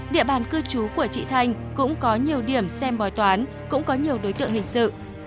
địa bàn cư trú của chị thanh cũng có nhiều điểm xem bói toán cũng có nhiều đối tượng hình sự